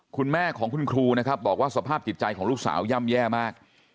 คุณแม่ของคุณครูนะครับบอกว่าสภาพจิตใจของลูกสาวย่ำแย่มาก